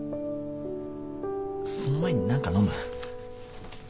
その前に何か飲む？